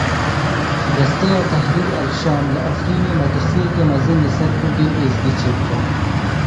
Desteya Tehrîr el-Şam li Efrînê metirsiyeke mezin li ser Kurdên Êzdî çê dike.